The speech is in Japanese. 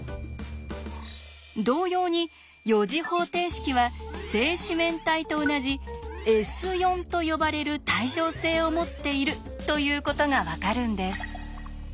同様に４次方程式は正四面体と同じ「Ｓ」と呼ばれる対称性を持っているということが分かるんです。